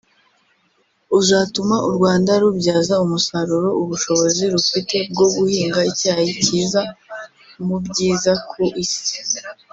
uzatuma u Rwanda rubyaza umusaruro ubushobozi rufite bwo guhinga icyayi kiza mu byiza ku isi